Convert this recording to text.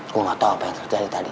gue gak tau apa yang terjadi tadi